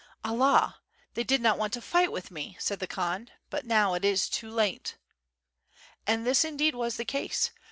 "Allah! they did not want to fight with me," said the Khan, "but now it is too late. ..." And this indeed was the case.